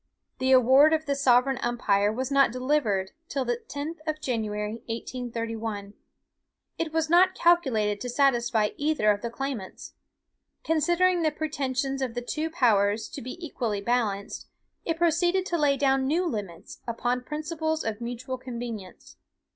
The award of the sovereign umpire was not delivered till the 10th of January, 1831. It was not calculated to satisfy either of the claimants. Considering the pretensions of the two powers to be equally balanced, it proceeded to lay down new limits, upon principles of mutual convenience.